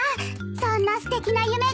そんなすてきな夢が見られて。